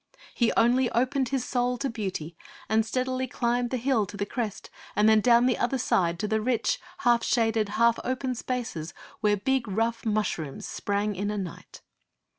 He only opened his soul to beauty, and steadily climbed the hill to the crest, and then down the other side to the rich, half shaded, half open spaces, where big, rough mushrooms sprang in a night.'